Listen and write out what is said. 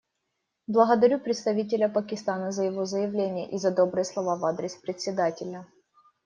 Благодарю представителя Пакистана за его заявление и за добрые слова в адрес Председателя.